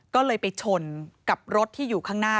ก็เลยไปชนกับรถที่อยู่ข้างหน้า